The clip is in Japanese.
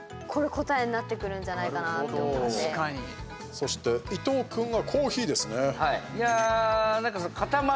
そして、伊藤君がコーヒーですね。